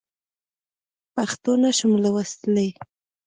پښتو نه شم لوستلی.